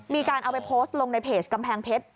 มีการเอาไปโพสต์ลงในเพจกำแพงเพชร